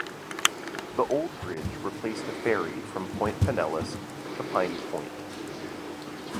The old bridge replaced a ferry from Point Pinellas to Piney Point.